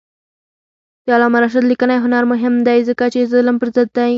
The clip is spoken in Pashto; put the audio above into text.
د علامه رشاد لیکنی هنر مهم دی ځکه چې ظلم پر ضد دی.